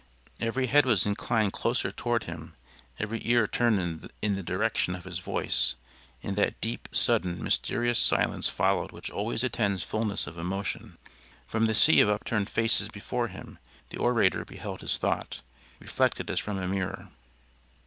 Every head was inclined closer toward him, every ear turned in the direction of his voice and that deep, sudden, mysterious silence followed which always attends fullness of emotion. From the sea of upturned faces before him the orator beheld his thought, reflected as from a mirror.